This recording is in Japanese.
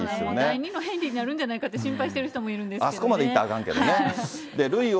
第２のヘンリーになるんじゃないかって、心配してる人もいるあそこまでいったらあかんけどね。